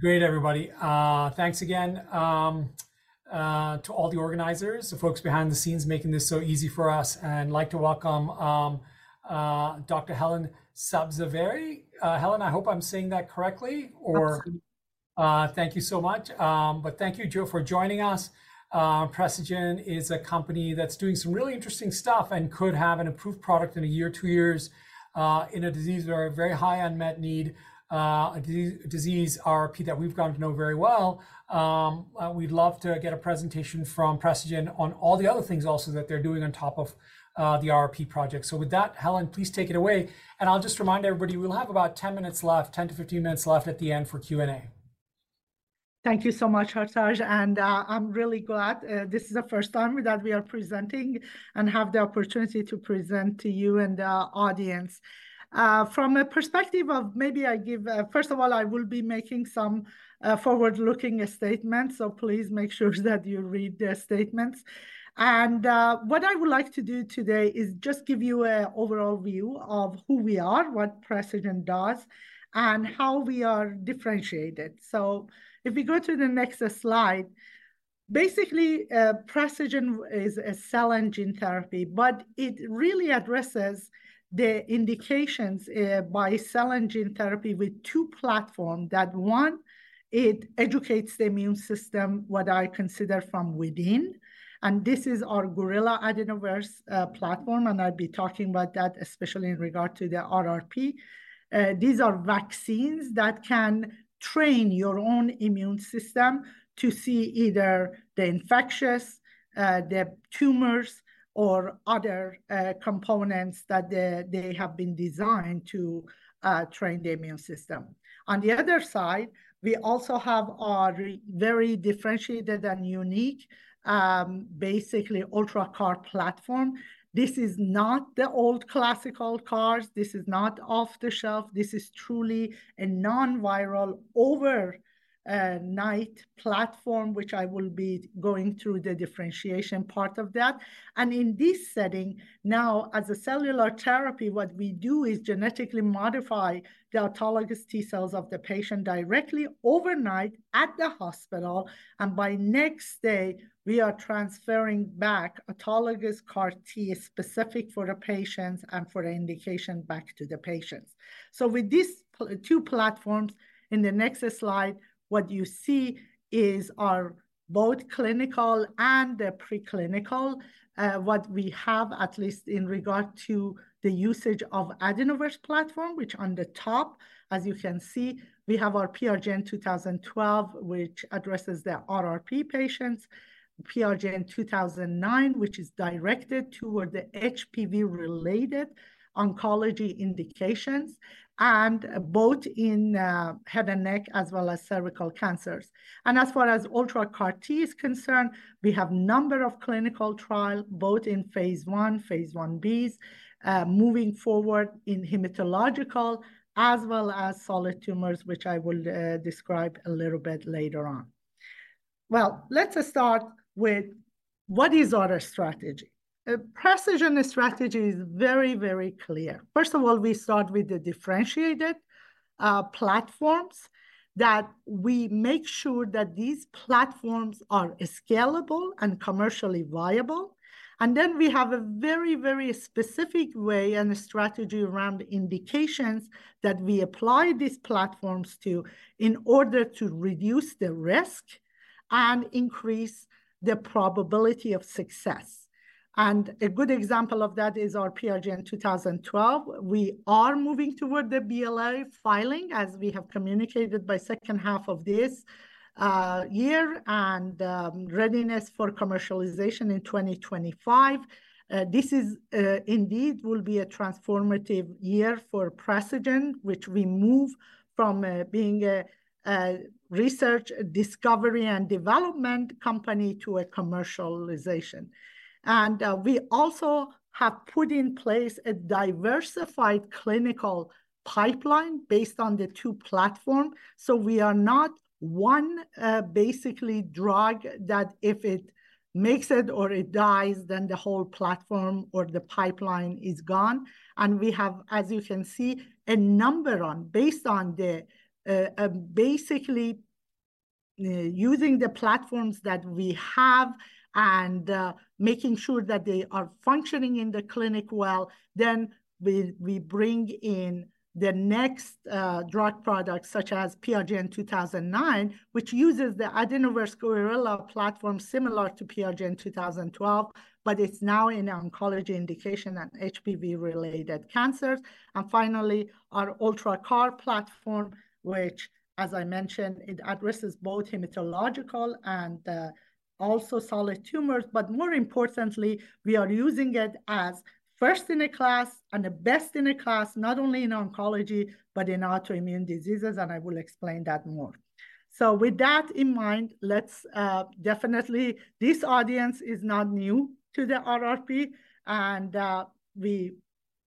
Great, everybody. Thanks again to all the organizers, the folks behind the scenes making this so easy for us. I'd like to welcome Dr. Helen Sabzevari. Helen, I hope I'm saying that correctly, or- Absolutely. Thank you so much. But thank you, Jo, for joining us. Precigen is a company that's doing some really interesting stuff and could have an approved product in a year, two years, in a disease with a very high unmet need, a disease, RRP, that we've gotten to know very well. We'd love to get a presentation from Precigen on all the other things also that they're doing on top of, the RRP project. So with that, Helen, please take it away, and I'll just remind everybody, we'll have about 10 minutes left, 10 to 15 minutes left at the end for Q&A. Thank you so much, Hartaj, and I'm really glad this is the first time that we are presenting and have the opportunity to present to you and the audience. From a perspective of maybe I give... First of all, I will be making some forward-looking statements, so please make sure that you read the statements. And what I would like to do today is just give you a overall view of who we are, what Precigen does, and how we are differentiated. So if we go to the next slide, basically, Precigen is a cell and gene therapy, but it really addresses the indications by cell and gene therapy with two platform, that one, it educates the immune system, what I consider from within, and this is our gorilla adenovirus platform, and I'll be talking about that, especially in regard to the RRP. These are vaccines that can train your own immune system to see either the infectious, the tumors, or other components that they have been designed to train the immune system. On the other side, we also have our very differentiated and unique, basically UltraCAR-T platform. This is not the old classical CARs. This is not off the shelf. This is truly a non-viral overnight platform, which I will be going through the differentiation part of that. And in this setting, now, as a cellular therapy, what we do is genetically modify the autologous T cells of the patient directly overnight at the hospital, and by next day, we are transferring back autologous CAR-T specific for the patients and for the indication back to the patients. So with these two platforms, in the next slide, what you see is our both clinical and the preclinical, what we have at least in regard to the usage of AdenoVerse platform, which on the top, as you can see, we have our PRGN-2012, which addresses the RRP patients, PRGN-2009, which is directed toward the HPV-related oncology indications, and both in, head and neck, as well as cervical cancers. As far as UltraCAR-T is concerned, we have a number of clinical trials, both in phase I, phase Ibs, moving forward in hematological, as well as solid tumors, which I will describe a little bit later on. Well, let us start with: What is our strategy? A Precigen strategy is very, very clear. First of all, we start with the differentiated platforms, that we make sure that these platforms are scalable and commercially viable. And then we have a very, very specific way and strategy around the indications that we apply these platforms to in order to reduce the risk and increase the probability of success. And a good example of that is our PRGN-2012. We are moving toward the BLA filing, as we have communicated by second half of this year, and readiness for commercialization in 2025. This is indeed will be a transformative year for Precigen, which we move from being a research, discovery, and development company to a commercialization. We also have put in place a diversified clinical pipeline based on the two platforms. So we are not one basically drug that if it makes it or it dies, then the whole platform or the pipeline is gone. And we have, as you can see, a number of based on the basically using the platforms that we have and making sure that they are functioning in the clinic well, then we bring in the next drug product, such as PRGN-2009, which uses the AdenoVerse gorilla platform, similar to PRGN-2012, but it's now in oncology indication and HPV-related cancers. Finally, our UltraCAR-T platform, which, as I mentioned, it addresses both hematological and also solid tumors. But more importantly, we are using it as first in a class and the best in a class, not only in oncology, but in autoimmune diseases, and I will explain that more. With that in mind, let's, ah, definitely, this audience is not new to the RRP, and we,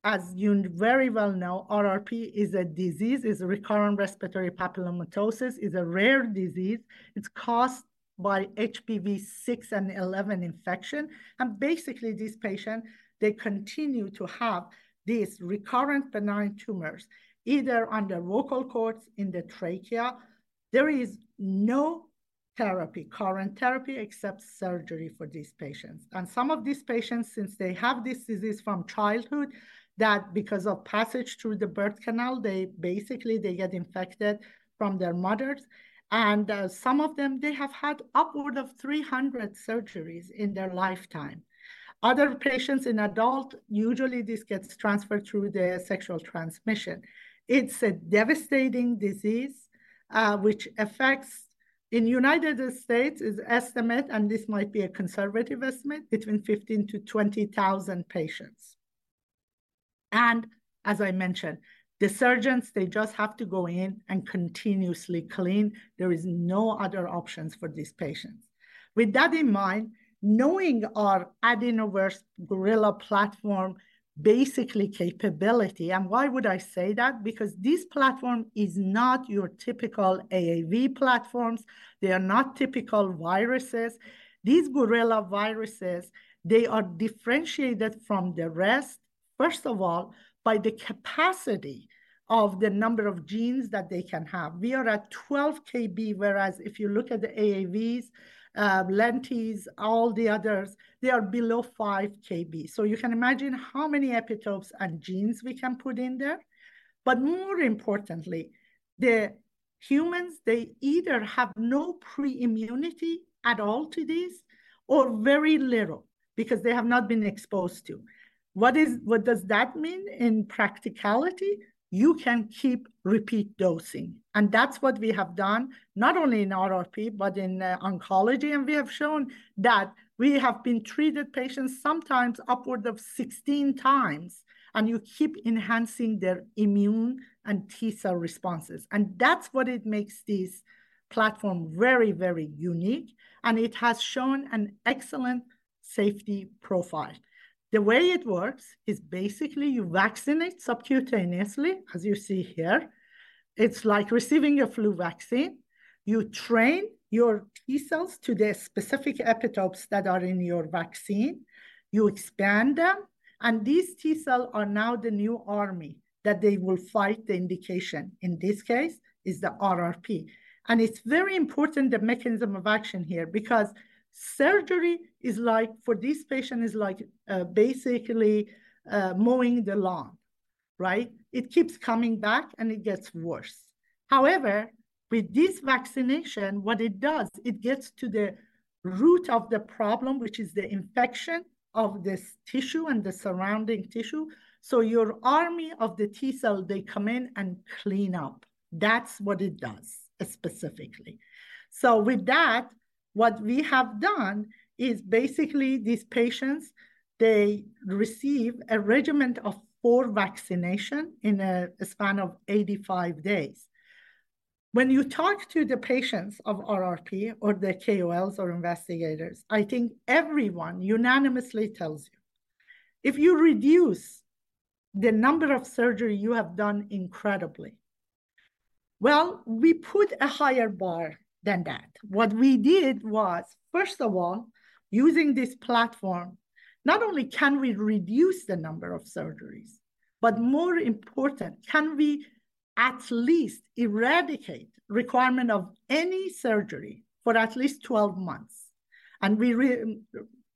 as you very well know, RRP is a disease, is recurrent respiratory papillomatosis, is a rare disease. It's caused by HPV 6 and 11 infection, and basically, this patient, they continue to have these recurrent benign tumors, either on the vocal cords, in the trachea. There is no therapy, current therapy except surgery for these patients. Some of these patients, since they have this disease from childhood, that because of passage through the birth canal, they basically, they get infected from their mothers. Some of them, they have had upward of 300 surgeries in their lifetime. Other patients in adult, usually this gets transferred through their sexual transmission. It's a devastating disease, which affects, in United States, it's estimated, and this might be a conservative estimate, between 15,000-20,000 patients. As I mentioned, the surgeons, they just have to go in and continuously clean. There is no other options for these patients. With that in mind, knowing our Adeno-associated gorilla platform basic capability, and why would I say that? Because this platform is not your typical AAV platforms. They are not typical viruses. These gorilla viruses, they are differentiated from the rest, first of all, by the capacity of the number of genes that they can have. We are at 12 kb, whereas if you look at the AAVs, lentiviruses, all the others, they are below 5 kb. So you can imagine how many epitopes and genes we can put in there. But more importantly, the humans, they either have no pre-immunity at all to this or very little, because they have not been exposed to. What does that mean in practicality? You can keep repeat dosing, and that's what we have done, not only in RRP, but in oncology. And we have shown that we have treated patients sometimes upward of 16 times, and you keep enhancing their immune and T-cell responses. That's what it makes this platform very, very unique, and it has shown an excellent safety profile. The way it works is basically you vaccinate subcutaneously, as you see here. It's like receiving a flu vaccine. You train your T cells to the specific epitopes that are in your vaccine. You expand them, and these T cells are now the new army, that they will fight the indication. In this case, it's the RRP. It's very important, the mechanism of action here, because surgery is like, for this patient, is like, basically, mowing the lawn, right? It keeps coming back, and it gets worse. However, with this vaccination, what it does, it gets to the root of the problem, which is the infection of this tissue and the surrounding tissue. So your army of the T cells, they come in and clean up. That's what it does specifically. So with that, what we have done is basically, these patients, they receive a regimen of four vaccination in a span of 85 days. When you talk to the patients of RRP or the KOLs or investigators, I think everyone unanimously tells you, if you reduce the number of surgery, you have done incredibly well. We put a higher bar than that. What we did was, first of all, using this platform, not only can we reduce the number of surgeries, but more important, can we at least eradicate requirement of any surgery for at least 12 months? And we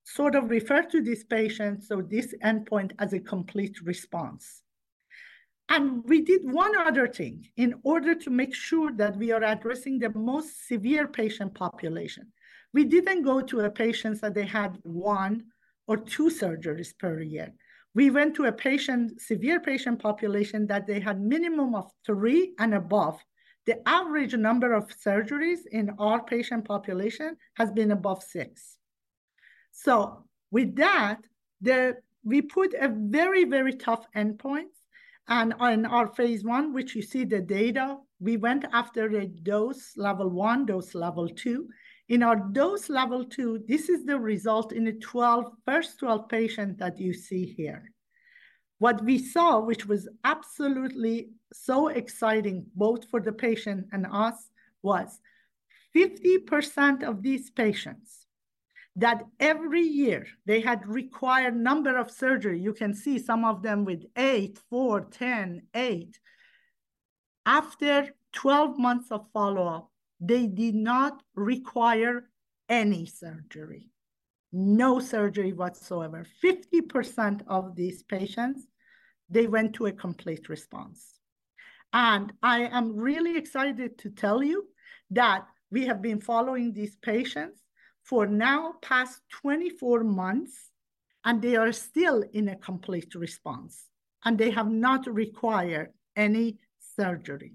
sort of refer to this patient, so this endpoint, as a complete response. And we did one other thing. In order to make sure that we are addressing the most severe patient population, we didn't go to patients that they had one or two surgeries per year. We went to a severe patient population, that they had minimum of three and above. The average number of surgeries in our patient population has been above six. So with that, we put a very, very tough endpoint, and on our Phase 1, which you see the data, we went after the dose level 1, dose level 2. In our dose level 2, this is the result in the first 12 patients that you see here. What we saw, which was absolutely so exciting, both for the patient and us, was 50% of these patients, that every year they had required number of surgery, you can see some of them with eight, four, 10, eight. After 12 months of follow-up, they did not require any surgery. No surgery whatsoever. 50% of these patients, they went to a complete response. And I am really excited to tell you that we have been following these patients for now past 24 months, and they are still in a complete response, and they have not required any surgery.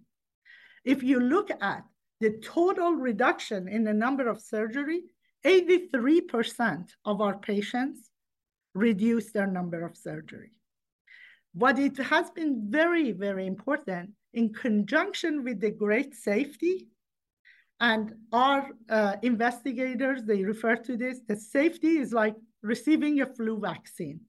If you look at the total reduction in the number of surgery, 83% of our patients reduced their number of surgery. But it has been very, very important in conjunction with the great safety, and our investigators, they refer to this, the safety is like receiving a flu vaccine.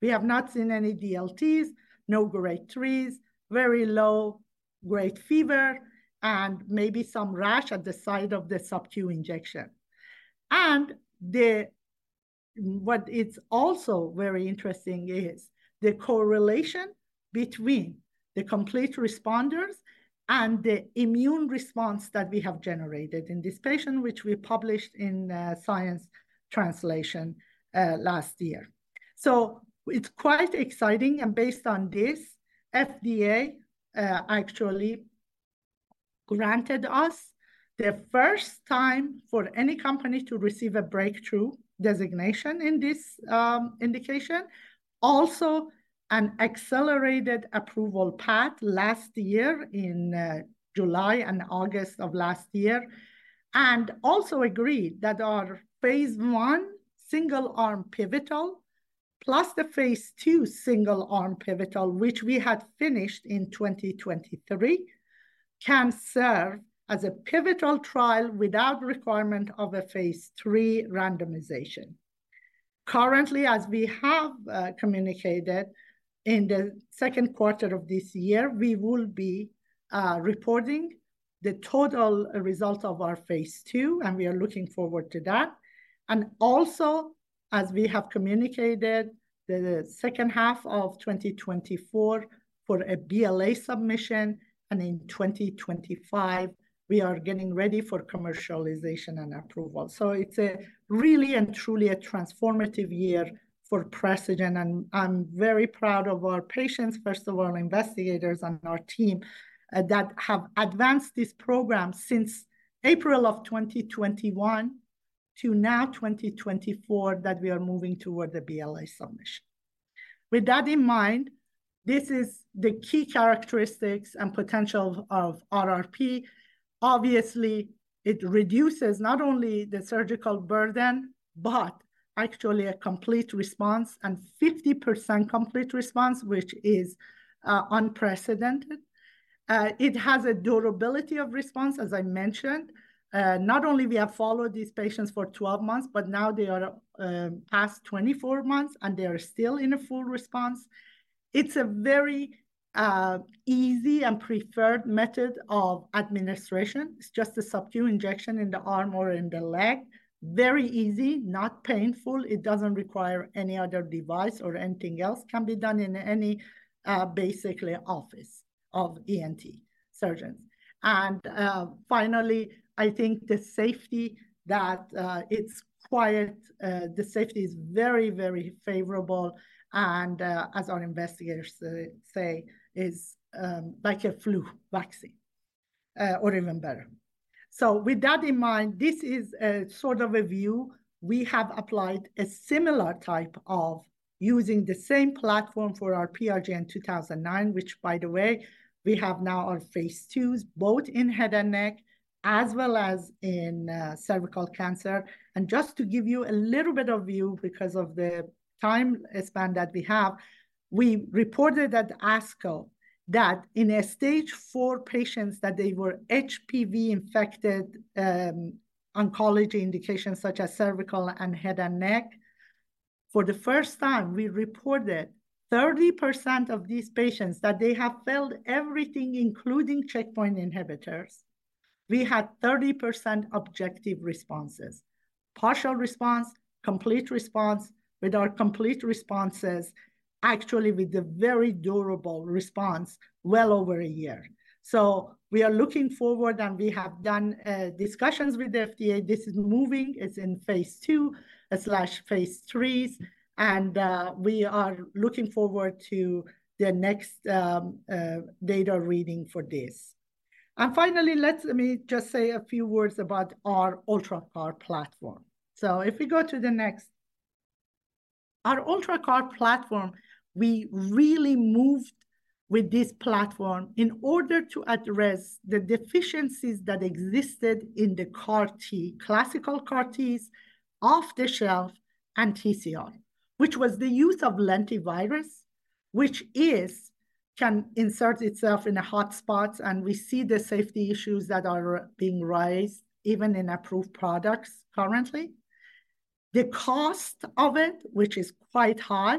We have not seen any DLTs, no grade threes, very low-grade fever, and maybe some rash at the site of the sub-Q injection. What's also very interesting is the correlation between the complete responders and the immune response that we have generated in this patient, which we published in Science Translational Medicine last year. So it's quite exciting, and based on this, FDA actually granted us the first time for any company to receive a breakthrough designation in this indication. Also, an accelerated approval path last year in July and August of last year, and also agreed that our phase I single-arm pivotal, plus the phase II single-arm pivotal, which we had finished in 2023, can serve as a pivotal trial without requirement of a phase III randomization. Currently, as we have communicated, in the second quarter of this year, we will be reporting the total result of our phase II, and we are looking forward to that. Also, as we have communicated, the second half of 2024 for a BLA submission, and in 2025, we are getting ready for commercialization and approval. So it's a really and truly a transformative year for Precigen, and I'm very proud of our patients, first of all, investigators and our team that have advanced this program since April of 2021 to now, 2024, that we are moving toward the BLA submission. With that in mind, this is the key characteristics and potential of RRP. Obviously, it reduces not only the surgical burden, but actually a complete response, and 50% complete response, which is unprecedented. It has a durability of response, as I mentioned. Not only we have followed these patients for 12 months, but now they are past 24 months, and they are still in a full response. It's a very easy and preferred method of administration. It's just a subcutaneous injection in the arm or in the leg. Very easy, not painful. It doesn't require any other device or anything else, can be done in any basically office of ENT surgeons. And finally, I think the safety that it's quite—the safety is very, very favorable and as our investigators say, is like a flu vaccine or even better. So with that in mind, this is a sort of a view. We have applied a similar type of using the same platform for our PRGN-2009, which, by the way, we have now our Phase IIs, both in head and neck, as well as in cervical cancer. And just to give you a little bit of view, because of the time span that we have, we reported at ASCO that in Stage IV patients that they were HPV-infected oncology indications such as cervical and head and neck, for the first time, we reported 30% of these patients that they have failed everything, including checkpoint inhibitors. We had 30% objective responses, partial response, complete response. With our complete responses, actually with a very durable response, well over a year. So we are looking forward, and we have done discussions with the FDA. This is moving. It's in phase II/phase III, and we are looking forward to the next data reading for this. And finally, let me just say a few words about our UltraCAR-T platform. So if we go to the next... Our UltraCAR-T platform, we really moved with this platform in order to address the deficiencies that existed in the CAR-T, classical CAR-Ts off-the-shelf and TCR, which was the use of lentivirus, which can insert itself in the hot spots, and we see the safety issues that are being raised, even in approved products currently. The cost of it, which is quite high,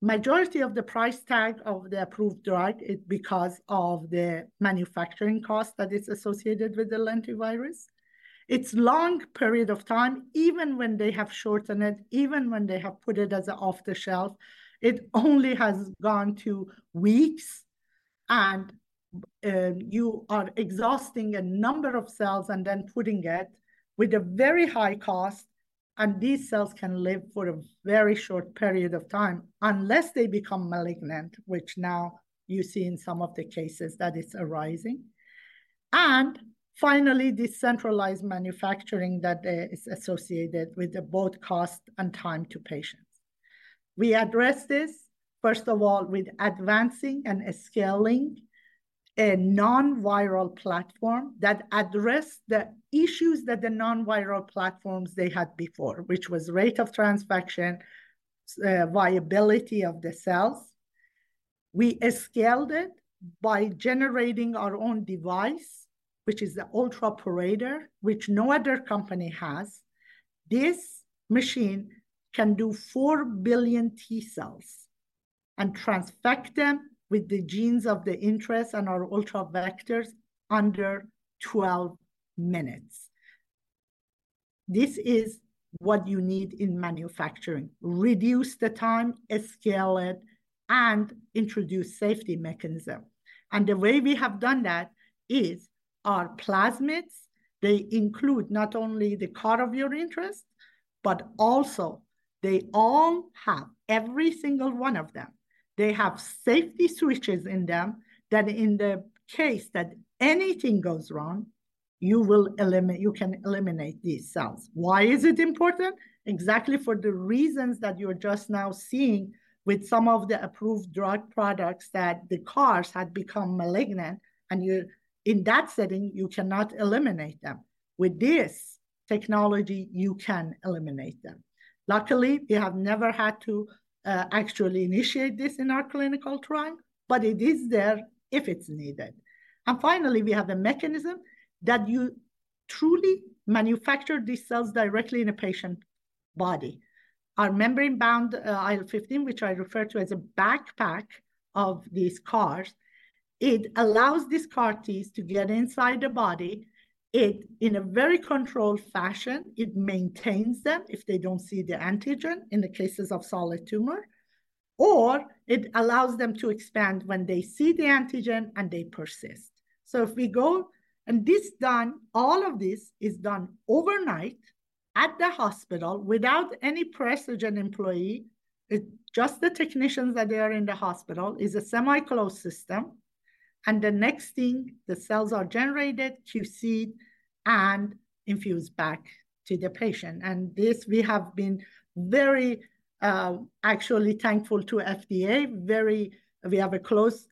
majority of the price tag of the approved drug is because of the manufacturing cost that is associated with the lentivirus. It's a long period of time, even when they have shortened it, even when they have put it as a off-the-shelf, it only has gone to weeks, and you are exhausting a number of cells and then putting it with a very high cost, and these cells can live for a very short period of time, unless they become malignant, which now you see in some of the cases that it's arising. And finally, the centralized manufacturing that is associated with the both cost and time to patients. We address this, first of all, with advancing and scaling a non-viral platform that address the issues that the non-viral platforms they had before, which was rate of transfection, viability of the cells. We scaled it by generating our own device, which is the UltraPorator, which no other company has. This machine can do 4 billion T cells.... And transfect them with the genes of interest and our UltraVectors under 12 minutes. This is what you need in manufacturing: reduce the time, scale it, and introduce safety mechanism. The way we have done that is our plasmids, they include not only the CAR of your interest, but also they all have, every single one of them, they have safety switches in them that in the case that anything goes wrong, you will eliminate—you can eliminate these cells. Why is it important? Exactly for the reasons that you're just now seeing with some of the approved drug products, that the CARs had become malignant, and you—in that setting, you cannot eliminate them. With this technology, you can eliminate them. Luckily, we have never had to, actually initiate this in our clinical trial, but it is there if it's needed. And finally, we have a mechanism that you truly manufacture these cells directly in a patient body. Our membrane-bound IL-15, which I refer to as a backpack of these CARs, it allows these CAR-Ts to get inside the body. It in a very controlled fashion, it maintains them if they don't see the antigen, in the cases of solid tumor, or it allows them to expand when they see the antigen, and they persist. And all of this is done overnight at the hospital without any Precigen employee, just the technicians that they are in the hospital. It's a semi-closed system, and the next thing, the cells are generated, QC'd, and infused back to the patient. This, we have been very, actually thankful to FDA, very we have a close,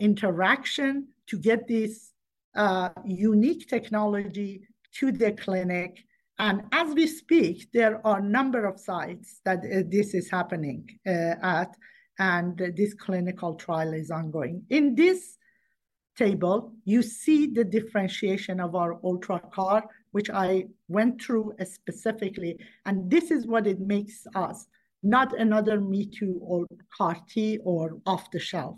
interaction to get this, unique technology to the clinic. As we speak, there are a number of sites that this is happening at, and this clinical trial is ongoing. In this table, you see the differentiation of our UltraCAR, which I went through specifically, and this is what it makes us, not another me-too or CAR-T or off-the-shelf.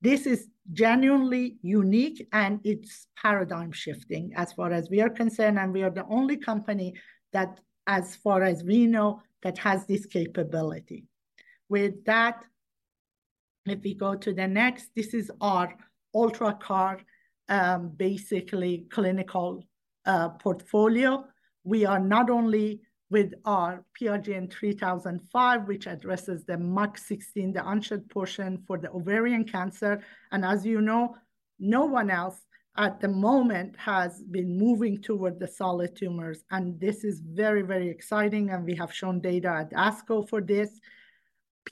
This is genuinely unique, and it's paradigm-shifting as far as we are concerned, and we are the only company that, as far as we know, that has this capability. With that, if we go to the next, this is our UltraCAR-T basically clinical portfolio. We are not only with our PRGN-3005, which addresses the MUC16, the unshed portion for the ovarian cancer, and as you know, no one else at the moment has been moving toward the solid tumors. This is very, very exciting, and we have shown data at ASCO for this.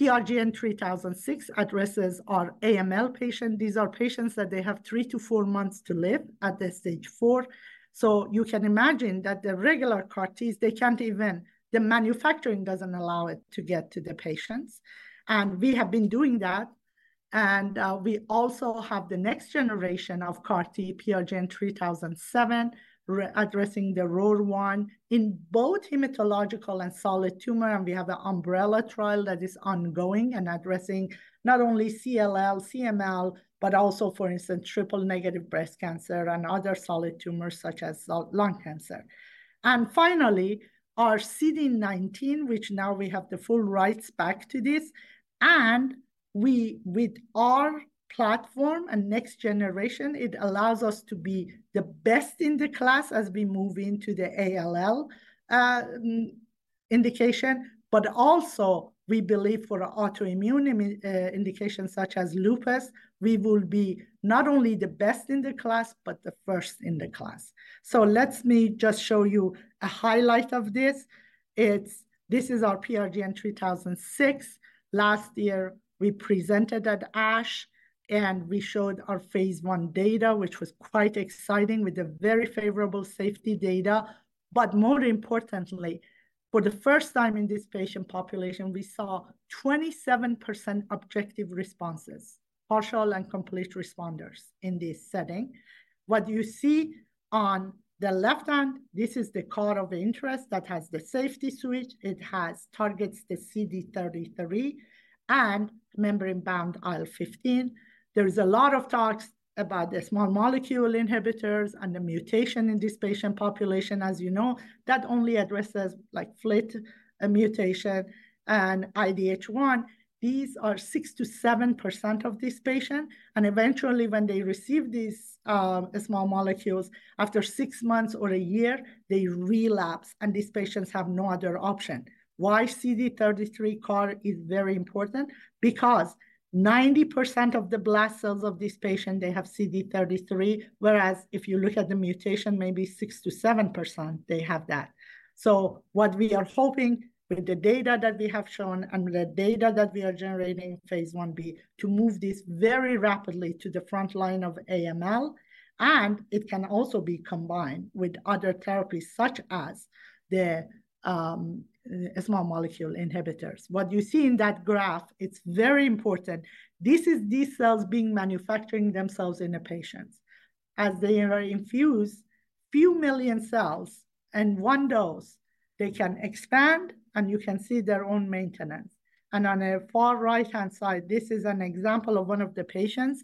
PRGN-3006 addresses our AML patient. These are patients that they have 3-4 months to live at the stage 4. So you can imagine that the regular CAR-Ts, they can't even, the manufacturing doesn't allow it to get to the patients, and we have been doing that. We also have the next generation of CAR-T, PRGN-3007, addressing the ROR1 in both hematological and solid tumor. We have an umbrella trial that is ongoing and addressing not only CLL, CML, but also, for instance, triple-negative breast cancer and other solid tumors, such as lung cancer. Finally, our CD19, which now we have the full rights back to this, and we, with our platform and next generation, it allows us to be the best in the class as we move into the ALL indication. But also, we believe for autoimmune immune indications such as lupus, we will be not only the best in the class, but the first in the class. So let me just show you a highlight of this. It's this is our PRGN-3006. Last year, we presented at ASH, and we showed our phase I data, which was quite exciting, with a very favorable safety data. But more importantly, for the first time in this patient population, we saw 27% objective responses, partial and complete responders in this setting. What you see on the left hand, this is the CAR of interest that has the safety switch. It has targets, the CD33 and membrane-bound IL-15. There is a lot of talk about the small molecule inhibitors and the mutation in this patient population. As you know, that only addresses, like, FLT3 mutation and IDH1. These are 6%-7% of this patient, and eventually, when they receive these, small molecules, after six months or a year, they relapse, and these patients have no other option. Why CD33 CAR is very important? Because 90% of the blast cells of this patient, they have CD33, whereas if you look at the mutation, maybe 6%-7%, they have that. So what we are hoping with the data that we have shown and the data that we are generating phase 1b, to move this very rapidly to the front line of AML, and it can also be combined with other therapies, such as the small molecule inhibitors. What you see in that graph, it's very important—this is these cells being manufacturing themselves in the patients. As they are infused, few million cells in one dose, they can expand, and you can see their own maintenance. And on the far right-hand side, this is an example of one of the patients.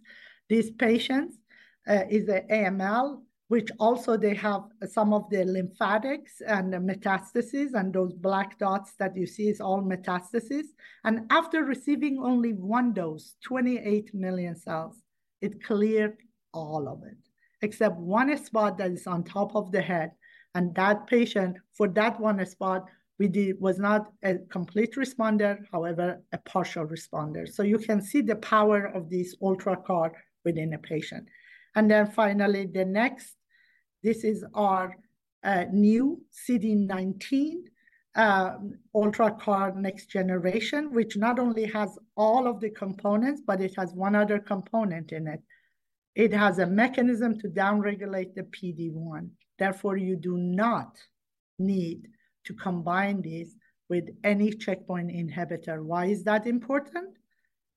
This patient is a AML, which also they have some of the lymphatics and the metastasis, and those black dots that you see is all metastasis. After receiving only one dose, 28 million cells, it cleared all of it, except one spot that is on top of the head, and that patient, for that one spot, was not a complete responder, however, a partial responder. So you can see the power of this UltraCAR-T within a patient. Then finally, the next, this is our new CD19 UltraCAR-T next generation, which not only has all of the components, but it has one other component in it. It has a mechanism to downregulate the PD-1. Therefore, you do not need to combine this with any checkpoint inhibitor. Why is that important?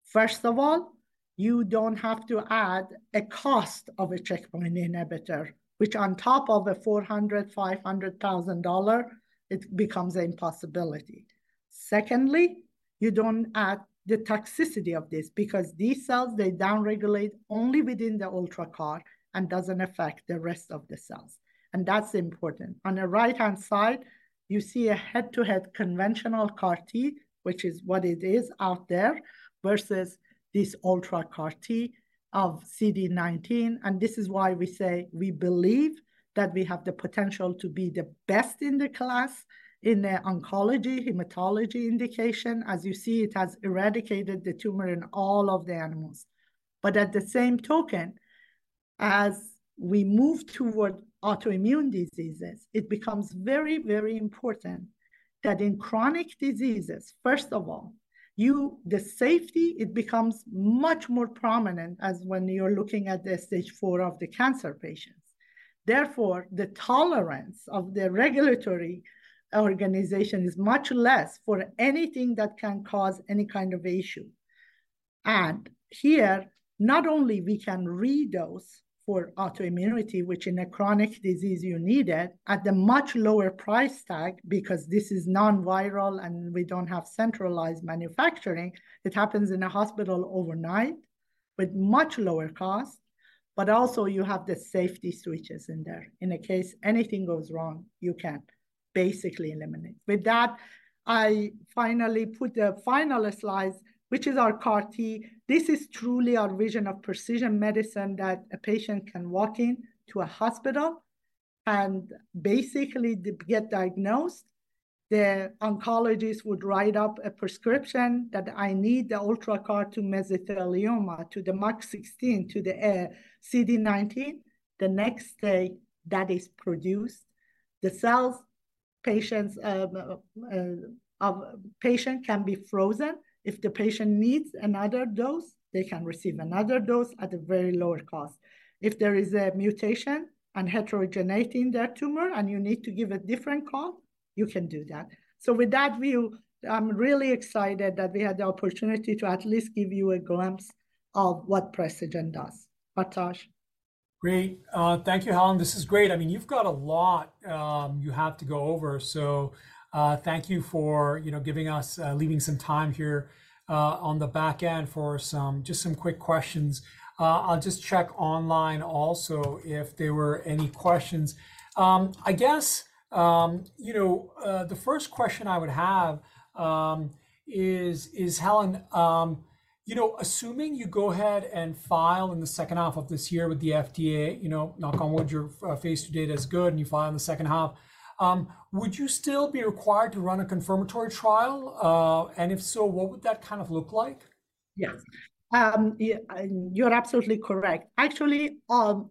First of all, you don't have to add a cost of a checkpoint inhibitor, which on top of a $400,000-$500,000, it becomes an impossibility. Secondly, you don't add the toxicity of this because these cells, they downregulate only within the UltraCAR-T and doesn't affect the rest of the cells, and that's important. On the right-hand side, you see a head-to-head conventional CAR-T, which is what it is out there, versus this UltraCAR-T of CD19, and this is why we say we believe that we have the potential to be the best in the class in the oncology, hematology indication. As you see, it has eradicated the tumor in all of the animals. But at the same token, as we move toward autoimmune diseases, it becomes very, very important that in chronic diseases, first of all, you, the safety, it becomes much more prominent as when you're looking at the stage four of the cancer patients. Therefore, the tolerance of the regulatory organization is much less for anything that can cause any kind of issue. And here, not only we can redose for autoimmunity, which in a chronic disease you need it, at a much lower price tag, because this is non-viral, and we don't have centralized manufacturing, it happens in a hospital overnight with much lower cost. But also you have the safety switches in there. In a case anything goes wrong, you can basically eliminate. With that, I finally put the final slides, which is our CAR-T. This is truly our vision of precision medicine, that a patient can walk in to a hospital and basically they get diagnosed. The oncologist would write up a prescription that I need the UltraCAR-T to mesothelioma, to the MUC16, to the CD19. The next day, that is produced. The cells, patients, of a patient can be frozen. If the patient needs another dose, they can receive another dose at a very lower cost. If there is a mutation and heterogeneity in that tumor, and you need to give a different call, you can do that. So with that view, I'm really excited that we had the opportunity to at least give you a glimpse of what Precigen does. Hartaj? Great. Thank you, Helen. This is great. I mean, you've got a lot, you have to go over. So, thank you for, you know, giving us, leaving some time here, on the back end for some, just some quick questions. I'll just check online also if there were any questions. I guess, you know, the first question I would have, is, Helen, you know, assuming you go ahead and file in the second half of this year with the FDA, you know, knock on wood, your phase II data is good, and you file in the second half, would you still be required to run a confirmatory trial? And if so, what would that kind of look like? Yeah. Yeah, and you're absolutely correct. Actually,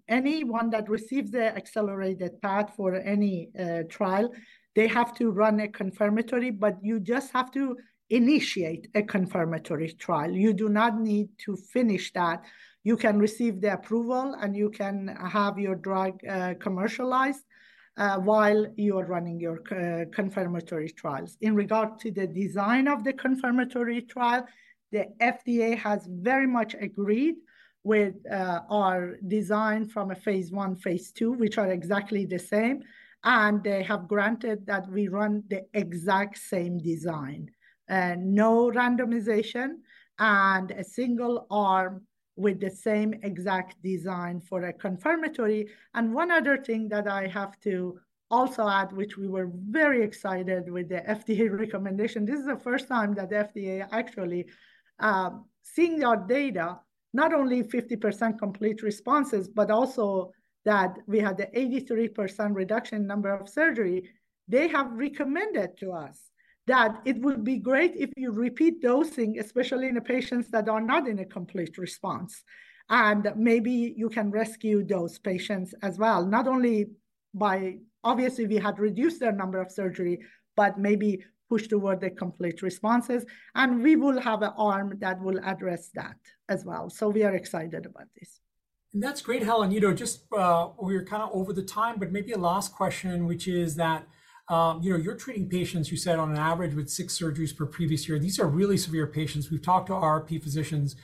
anyone that receives the accelerated path for any trial, they have to run a confirmatory, but you just have to initiate a confirmatory trial. You do not need to finish that. You can receive the approval, and you can have your drug commercialized while you are running your confirmatory trials. In regard to the design of the confirmatory trial, the FDA has very much agreed with our design from a phase I, phase II, which are exactly the same, and they have granted that we run the exact same design. No randomization and a single arm with the same exact design for a confirmatory. And one other thing that I have to also add, which we were very excited with the FDA recommendation. This is the first time that the FDA actually seeing our data, not only 50% complete responses, but also that we had the 83% reduction in number of surgery. They have recommended to us that it would be great if you repeat dosing, especially in the patients that are not in a complete response, and maybe you can rescue those patients as well. Not only by... obviously, we had reduced their number of surgery, but maybe push toward the complete responses, and we will have an arm that will address that as well. So we are excited about this.... That's great, Helen. You know, just, we are kind of over the time, but maybe a last question, which is that, you know, you're treating patients, you said on an average with six surgeries per previous year. These are really severe patients. We've talked to RRP physicians.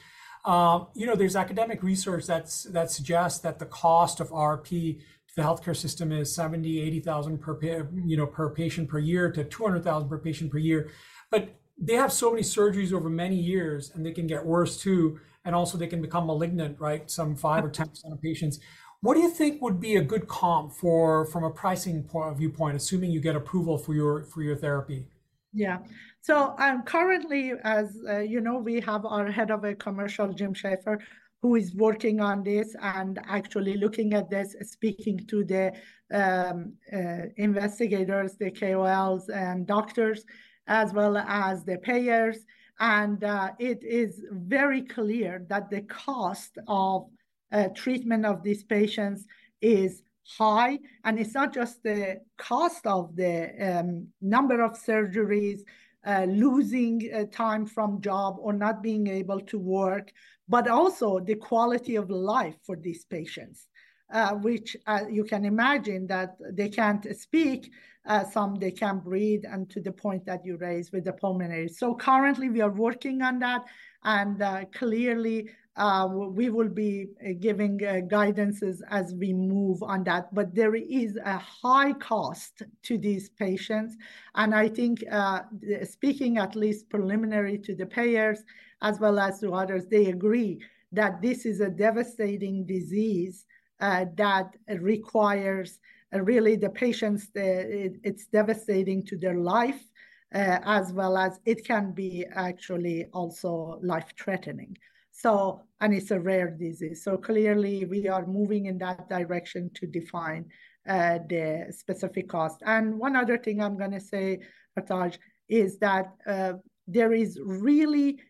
You know, there's academic research that suggests that the cost of RRP to the healthcare system is $70,000-$80,000 per patient per year to $200,000 per patient per year. But they have so many surgeries over many years, and they can get worse, too, and also they can become malignant, right? Some 5% or 10% of patients. What do you think would be a good comp from a pricing point of view, assuming you get approval for your, for your therapy? Yeah. So, currently, as you know, we have our head of commercial, James Shaffer, who is working on this and actually looking at this, speaking to the investigators, the KOLs and doctors, as well as the payers. And, it is very clear that the cost of treatment of these patients is high. And it's not just the cost of the number of surgeries, losing time from job or not being able to work, but also the quality of life for these patients. Which, you can imagine that they can't speak, some they can't breathe, and to the point that you raised with the pulmonary. So currently, we are working on that, and clearly, we will be giving guidances as we move on that. But there is a high cost to these patients, and I think, speaking at least preliminarily to the payers as well as to others, they agree that this is a devastating disease, that requires really the patients, the, it, it's devastating to their life, as well as it can be actually also life-threatening. So... And it's a rare disease. So clearly, we are moving in that direction to define the specific cost. And one other thing I'm gonna say, Hartaj, is that, there is really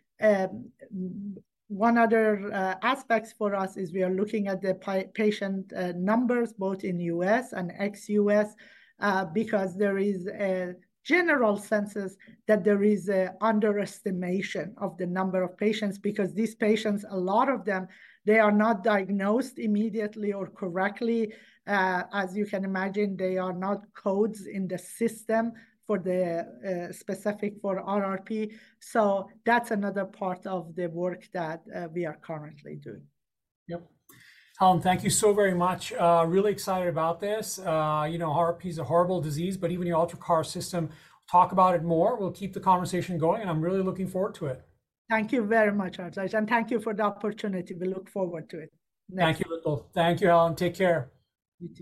one other aspects for us, is we are looking at the patient numbers, both in U.S. and ex-U.S., because there is a general consensus that there is an underestimation of the number of patients, because these patients, a lot of them, they are not diagnosed immediately or correctly. As you can imagine, there are no codes in the system for the specific for RRP. So that's another part of the work that we are currently doing. Yep. Helen, thank you so very much. Really excited about this. You know, RRP is a horrible disease, but even your UltraCAR-T system, talk about it more. We'll keep the conversation going, and I'm really looking forward to it. Thank you very much, Hartaj, and thank you for the opportunity. We look forward to it. Thank you. Thank you, Helen. Take care. You too.